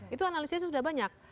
itu analisnya sudah banyak